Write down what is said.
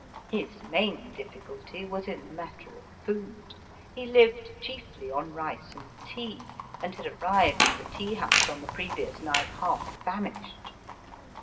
His main difl&culty was in the matter of food. He lived chiefly on rice and tea, and had arrived at the tea house on the previous night haK famished.